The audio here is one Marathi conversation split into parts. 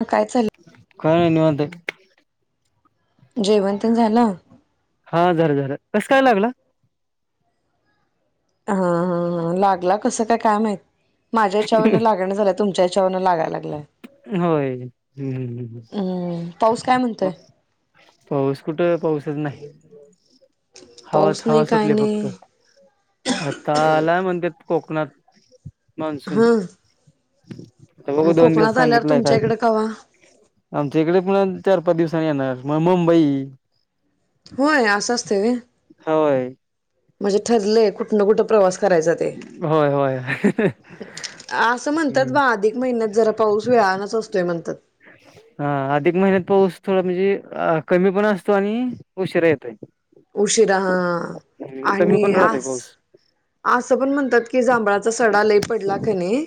हा काय चालंय. काय नय निवांत हाय जेवणं तेन झालं. हा झार झार कसं काय लागलं. हा हा हा. लागला कसं काय? काय माहिती? माझ्या हेच्यावरन लागना झालाय, तुमच्या हेच्यावरन लागाय लागलाय, होय. हम्म हम्म पाऊस काय म्हणतोय? मग हवात पाऊस नाही हवा काय सुटले फक्त, नाही आता आलाय म्हणतेत. कोकणात मान हां. हम् [inaudible] आता बघु दोन दिवस सांगितलाय तुमच्या काय? इकडे कवा आमच्या इकडे पण चार पाच दिवस अमच्याकड येणार म मुंबई. होय, असं असतय व्हय. ह व्होय. म्हणजे ठरलंय कुठं न कुठ प्रवास? करायच ते, होय होय हम्म. असं म्हणतात बा. अधिक महिन्यात जरा पाऊस वेळानच असतोय म्हणतात. थोड म्हणजे अ कमी पण असतो आणि उशीरा येतोय. उशीरा हा हा कमी आणि पण राहतोय आस पाऊस आस. पण म्हणतात की, जांभळाचा सडा लई पडला कणी,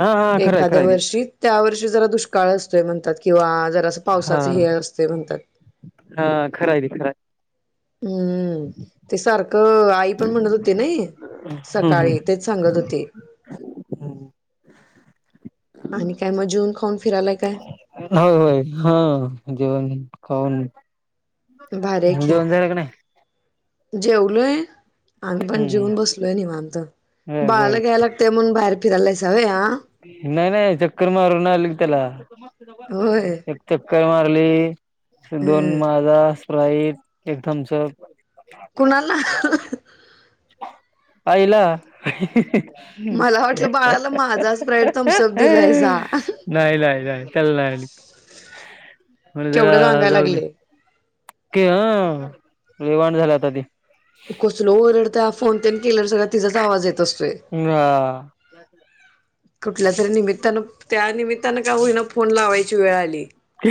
हा हा खरंय एखाद्या खरंय ते वर्षी त्या वर्षी जरा दुष्काळ असतोय, म्हणतात किंवा जरा अस हा पावसाच हे असतय म्हणत्यात. [inaudible] हा खराहाय ते खरा आहे. [inaudible] हम्म [inaudible] ते सारखं त अ आई पण म्हणत होती ना हे [inaudible] हम्म सकाळी हम्म तेच सांगत होती, [inaudible] आणि काय मग जेऊन खाऊन फिरायलाय काय. [inaudible] होय होय हा [unintelligible] भारी [inaudible] आहे मग की जेवण झाला का नाही. [inaudible] जेवलोय [inaudible] आम्ही पण जेवून हम्म बसलोय निवांत [inaudible] बर बाळाला बर घ्यायला ते मग बाहेर फिरायला जाऊ व्हय आ [inaudible] नाही नाही चक्कर मारून आलो की त्याला, होय [unintelligible] [unintelligible] काय मारली, [inaudible] दोन हं माझा स्प्राईट [inaudible] एक थम्सअप- [inaudible] कुणाला [unintelligible] - [inaudible] आईला [unintelligible] मला वाटलं बाळा नाही नाही नाही त्याला नाही आणि म्हणलं केवढं जरा रांगाय जाऊन येऊ. लागलंय क हं लई वांड झालाय आता ते कसलं ओरडतय. फोन तेन केल सगळ तिचाच आवाज येत असतोय. हा कुठल्या तरी निमित्तानं त्यानमित त्यांना का होईना फोन लावायची वेळ आली.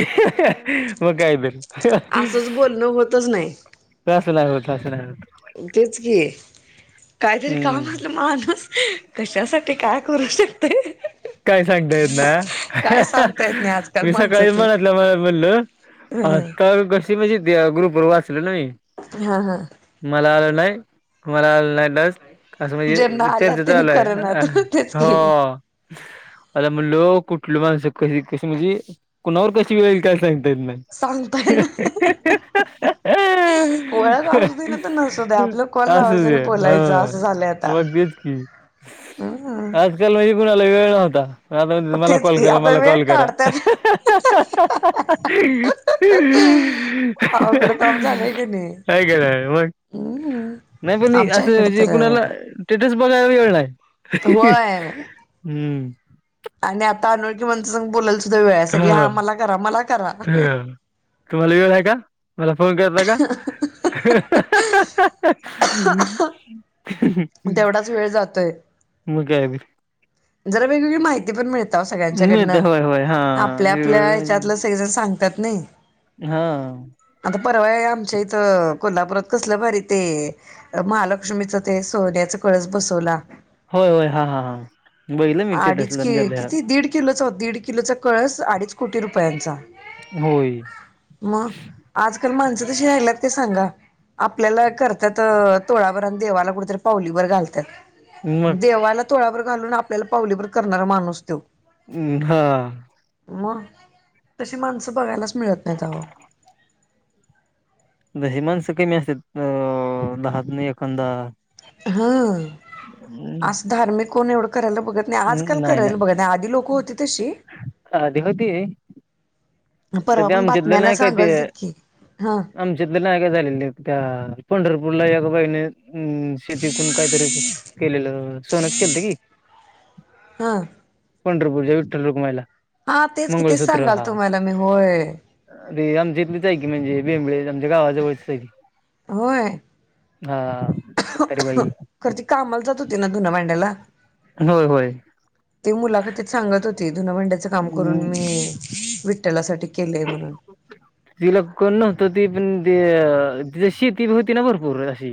मग काय तर असंच बोलणं होतच नाही [unintelligible] तेच की काहीतरी हम्म कामा असल माणूस कशासाठी काय करू शकतय काय सांगता येत ना काय सांगता, येत नाही आजकाल मी सकाळी माणसच, मनातल्या मनात हम. ग्रुप वर वाच. लेलो मी हा हा मला आल. नाही [unintelligible] असं ज्यांना म्हणजे आल्यात चर्चा त्यांनी चालू करणात तेच आहे की हो. आता म्हणलो कुठलं माणसं कशी कशी म्हणजे कुणावर कशी वेळे काय सांगता. नाही सांगता येत नाही ओळख असू दे ना तर नसू दे आपलं कॉल असू लावायचं आणि दे हा. बोलायचं असं झालंय आता त बच क हम्म आजकाल व [unintelligible] कुणाला वेळ नव्हता. आताण मला तेच कॉल की करा आता मला कॉल वेळ करा काढत्यात का अवघड काम झालंय की नाही का आहे मग हम्म नाही पण आमच्या असं इकड म्हणजे [unintelligible] तर कुणाला सेटस बघा वेळ नाही्. होय आणि आता अनोळकी मंतसंघ बोयचो. हा ह तुम्हाला वेळ आहे का मला फोन करता का. हम् [unintelligible] तेवढाच वेळ जातोय म काय त [unintelligible] जरा वेगवेगळी माहिती पण मिळते. सगळ्यांच्याकडन मिळते होय होय हा आपल्या आपल्या ह्याच्यातलं सगज सांग. त्यात नाही. हा. आता परवा आमच्या इथं कोल्हापुरात कसलं भारी ते महालक्ष्मीचं ते सोन्याच कळस बसवला. होय होय हा हा हा. बघितलं मी अडीच स्टेटसला क म्हणजे आपल्या किती दीड किलो च दीड किलोचा कळस अडीच कोटी रुपय. पयांचा होय मग, आजकाल माणसं तशी राहल्यात ते सांगा, आपल्याला करतात अ तोळाभरात आणि देवाला कुठेतरी पावलीभर घालतात. मग देवाला तोळाभर घालून आप आपल्याला पावलीभर करणारा माणूस तो. हम्म हा. मग, तशी माणसं बघायलाच मिळत नाहीत आओ. हे माणसं कमी असतात अ दहात न एखादा. हा. नाही असं धार्मिक कोण एवढं करायला बघत नाही, आज काल करायला बघत नाही, आधी लोकं होती तशी. आधी होती. अन आता परवा ते पण आमच्यातलं बातम्यांना नाही सांगलति की, हा. नाय का झालेले, त्या पंढरपूरला एका बाईने हम्म, शेती ऐकून काय तरी केलेलं. सोनच केलंत की. हा. पंढरपुरच्या विठ्ठलरुकमाईला हा तेच कि, तेच सांगाल तुम्हाला मि होय. अरे आमच्या इथलीच हाय की, म्हंजे बेंबळी आमच्या गावाजवळचीच हाय की होय. हा म्हातारी बाई खर ती कामाला जात होती. ती न धून भांड्याला. होय होय. ते मुलाखतीत सांगत होत. धून भांड्याचं काम करून हम्म मी विट ट्ठलासाठी तिला कोण न त ती पण ते अ शेती होती ना, भरपूर अशी.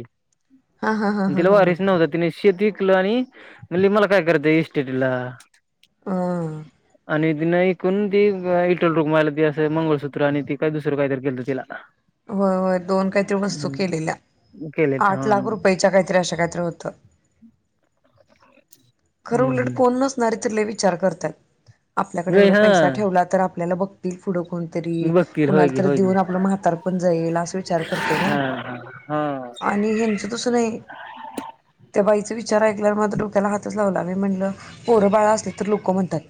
हा हा हा आणि हा तिला हा हा वारिस नव्हत. तिने शेत ईकलं आणि म्हणली मला काय करायचे इस्टेटिला? अ आणि तीनं ईकून ते इटल रुकमाईला ते अस ते मंगळसूत्र आणि ती काही दुसरं काहीतरी केलं तिला. होय होय, दोन काहीतरी वस्तू हम्म केलेल्या, केलेत हा आठ लाख रुपयाच्या काहीतरी अशा काहीतरी होतं. खरं उलट हम्म कोण नसणार तर लय वि चार करतात. आपल्याकडे व्हय एवढा हा पैसा ठेवला तर आप आपल्याला बघतील. पुढं कोणतरी बघतील होय कुणाला की तरी होय की देऊन आपलं म्हातार या येईल असं विचार करते ना, हा हा हा आणि ह्यांचं तसं नाही त्या बाईचं वि चार ऐकल्यावर माझ्या डोक्याला हातच लावला, मी म्हटलं पोरं बाळा असले तर लोकं म्हणतात,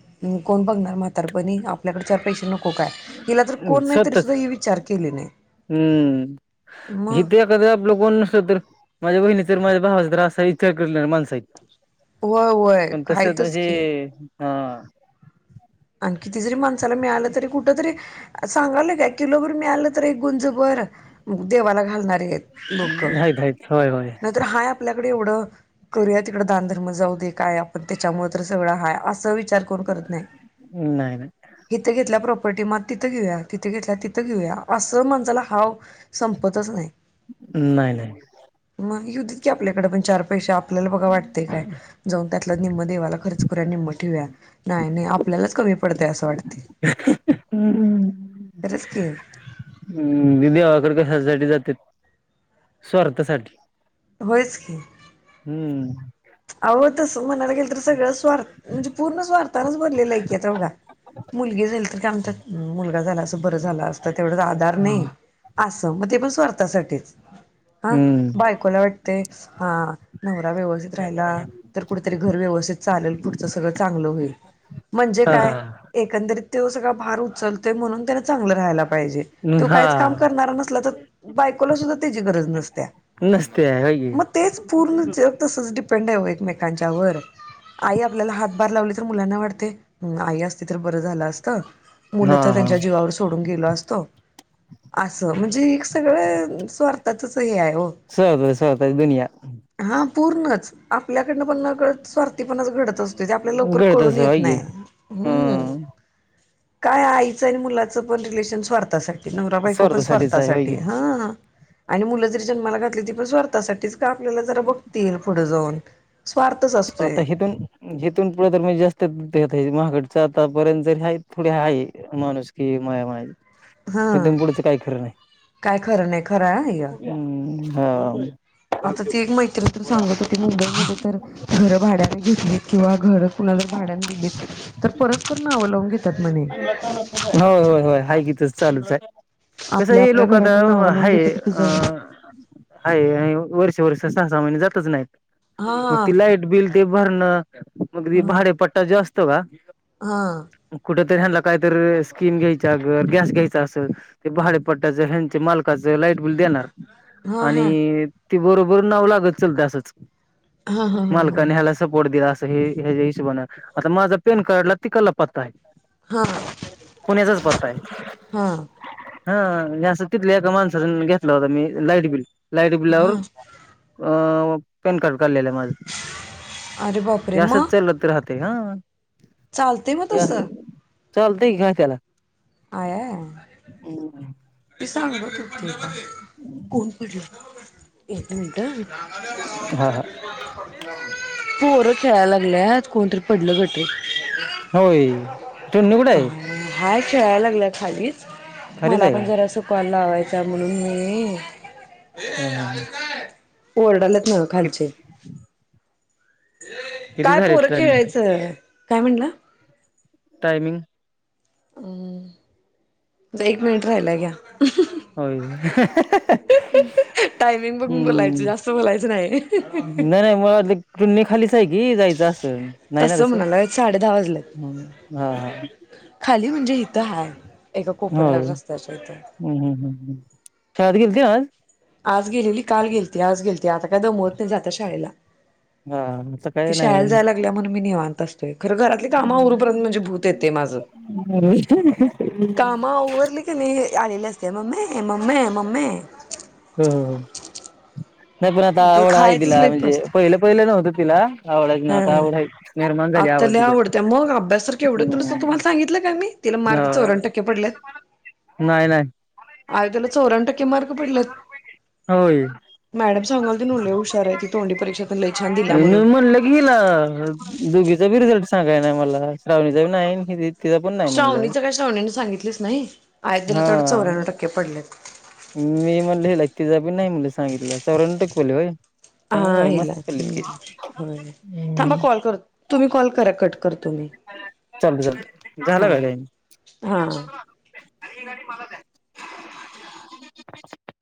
कोण बघणार म्हातारपणी आपल्याकडे चार पैसे न को काय, हिला तर कोण नाही तरी स्वतःच सुद्धा ही विचार केले नाही. हम्म, मग हितं एखादं आपलं कोण नसलं तर माझ्या बहिणी तर माझ्या भावाचा त्रास आहे इचार करणारे माणसं आहेत. होय होय पण तसं आहेतच तुझे की हा आन किती जरी माणसाला मिळालं तरी कुठं तरी, सांगायलोय काय, किलोभर मिळालं तर एक गुंज भर देवाला घालणारी आहेत. लोक घाई घाई त होय होय [inaudible] इकड येवड [inaudible] करूया तिकडं दानधर्म जाऊ दे काय आपण त्याच्यामुळे तर सगळं हाय अस विचा विचार करू करत नाही. [inaudible] नाही नाही. इथं [inaudible] घेतल्या प्रॉपर्टी म तिथं घेऊया तिथे घेतल्या तिथं घेऊया असं म्हणसाला हाव. [inaudible] संपतच नाही. नाही नाही. [inaudible] मग. युध इत की आपल्याकडे पण चार पैसे आपल्याला बघा वाटतय काय जाऊन त्यातल निम् देवाला खर्च निम्म ठेवूया [inaudible] नाही नाही आपल्याला कमी पडते अस वाटतं. [unintelligible] हम्म तेच की, [inaudible] हम् देवाकडे कशासाठी जातेत- [inaudible] स्वार्थासाठी. होयच की- [inaudible] हम्म [inaudible] अहो तसं मनाली गेलं तर सगळं स्वार्थम्हणजे पूर्ण स्वार्थानेच भरले की आता बघा [inaudible] मुलगी झाली तर काय म्हणतात मुलगाझाला असता तर बर झाल असतं तेवढेच आधार नाही [inaudible] असं म ते पण स्वार्थासाठीच. [inaudible] हा हम्म बायकोला वाटते. हा नवरा व्यवस रायला, तर कुठेतरी घर व्यवस्थित चालेल, पुढच सगळं चांगलं होईल. म्हणजे हा काय एकंदरीत तो सगळा भार उचलतोय म्हणून. त्यांना चांगलं राहायला पाहिजे. तो हा काहीच काम करणारा नसला तर बायकोला सुद्धा त्याची गरज नसत्या. नसते हाय की मग तेच पूर्ण जग तसं डीप एकमेकांच्या वर, आई आपल्याला हातभार लावली तर मुलांना वाटते आई असते तर बरं झालं असत. हा मुलं तर हा त्यांच्या जीवावर सोडून गेलो असतो. आस. म्हणजे एक सगळं अ.. स्वार्थातच हे आहे हो. स्वतः स्वतःची दुनिया हा पूर्णच. आपल्याकडनं पण नकळत स्वार्थी पणाच घडत असतोय. ते आपल्या लवकर घडत कळून असं येत होय की नाही. हम्म काय आईचं आणि, मुलाचं पण रिलेशन स्वार्थासाठी. नवराबायको पण स्वार्थासाठीच आहे होय स्वार्थासाठी की हा. आणि मुलं जरी जन्माला घातली, ती पण स्वार्थासाठीच. आपल्याला जरा बघतील पुढे जाऊन. स्वार्थच असतोय आता हितून हितून पुढे तर मी जास्त देत. महागडच आतापर्यंत जरी हायत, थोडे आहे माणूस की माया माय. हा. काय खरं नाही, खरं हाय हे हम्म हा. आता ती एक मैत्रीण तर सांगत होती. मुंबईमध्ये तर घर भांड्याने घेतली किंवा, घर कुणाला भाड्यानं दिली. तर परस्पर नावं लावून घेतात. म्हणे. होय होय होय हाय इथंच. चालूच आय. कस आपल्या आहे आपल्या लोक आता घरांना नावं लावून हाय घेतात तिथे अ.. जाऊन. हाय वर्ष, पोरीस सा सहा महिने जातचं नाही. मग ती हा लाईट बिल. ते भरणं, मग री हा भाडेपट्टा जास्त, तवा. हा. कुठेतरी ह्यांना काहीतरी स्कीम घ्यायचा, गं गॅस घ्यायचां असं ते भाडे पट्टाचं ह्यांच्या मालकाच. लाईट बील देणार, हा आणि ती बरोबर नाव लागत चलते असंच, हा हा हा ह मालकाने ह्याला सपोर्ट दिला अस. हे, हेच हिशोबन आता माझा पेन कार्डला तिकडला पत्ता आहे. ह हा पुण्याचच पत्ताय हा हा. [unintelligible] घेतला होता मी लाईट बिल. लाईट बिलावर, अ- पॅन कार्ड. काढलेल माझ. [unintelligible] ते हा. चालतय ना हे तस- असं चालतंय ना त्याला? आया- [unintelligible] कोण पडलं? एक मिनटं हं. [inaudible] हा हा पोरं खेळायला लागल्यात. कोणतरी पडलं बहुतेक. होय. टुन्नू कुठं का आहे ह. खेळायला लागल्या खाली- खालीच मला आहे पण काय जरा सुकवायला लावाय- [unintelligible] म्हणून मी- हम्म हम्म. ओरडालेत. ह. खालचे. किती काय झाले पोरं टायमिंग खेळायचं काय म्हणला? टायमिंग हम्म एक मिनिट राहिलाय घ्या. होय. टायमिंग बघून बोलायचं हम्म. जास्त बोलायचं नाही नाही नाही मला ते [unintelligible] [unintelligible] ही जायचं असेल नाही ना तसं? म्हणाला साडे दहा वाजलेत हा खाली म्हणजे हिथं हाय. एका कोपऱ्यावर होय रस्त्याच्या हिथं. हम्म हम्म हम्म शाळेत गेलती आज? आज गेलेली, काल गेलती, आज गेलती आता काय [unintelligible] नाही आता शाळेला. हा आता काय ती नाही शाळंला जायला लागलिया म्हणून मी निेवांत. खरं घरातली कामं उरूपर्यंत म्हणजे भूत येतंय माझं. हो कामा आवरली की नै आलेल्या हे मम्मे हे मम्मे मम्मे हम्म नाही पण आता तर आवड आहे खायचंच तिला लईप म्हणजे असते पहिलं पहिलं नव्हतं तिला आवडायचं ना हा आता आवडाय आत्ता लै आवडत्या मग अभ्यास तर केवढं [unintelligible] हम्म तुम्हाला सांगितलं का मी तिला मार्क चौऱ्यान्न हो टक्के पडलेत? [unintelligible] चौऱ्यान्न टक्के मार्क वीस पडलेत. हजार रुपये गेले. होय [unintelligible] मॅडम सांगाल ती हजार लय हुशार रुपयांची आहे ती गाडी तोंडी परीक्षातून लय छान दिल्या घेतलेली. म्हणून. म म्हणलं घील आ दोघी [unintelligible] रिझल्ट सांगाय ना मला श्रावणीचाबी नाई अन ही बी तिचा पण नाही म्हणलं श्रावणीचं काय श्रावणीने सांगितलेच नाही [unintelligible] ला तेवढं हा चौऱ्याण्णव टक्के पडलेत. मी म्हणलेलं तिजा बी नाई म्हला सांगितलं चौऱ्यांनव टक्के पडलेत व्हय? चांगलं हां आहे हिला मस्त हं थांबा कॉल कर तुम्ही कॉल करा कट. करतो मी. चालतं चालतं झाला का हां हां. [unintelligible] ही गाडी मला द्या.